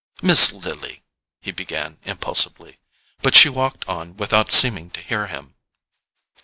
"Miss Lily——" he began impulsively; but she walked on without seeming to hear him.